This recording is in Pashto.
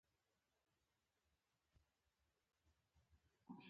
يره تومت مه وايه.